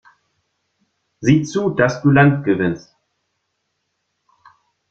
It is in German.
Sieh zu, dass du Land gewinnst!